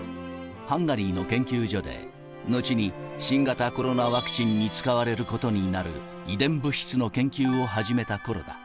ハンガリーの研究所で、後に新型コロナワクチンに使われることになる遺伝物質の研究を始めたころだ。